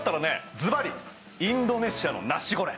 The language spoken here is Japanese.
ずばりインドネシアのナシゴレン！